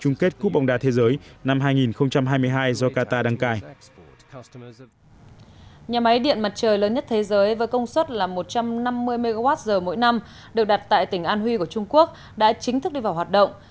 nhà máy điện mặt trời lớn nhất thế giới với công suất là một trăm năm mươi mw mỗi năm được đặt tại tỉnh an huy của trung quốc đã chính thức đi vào hoạt động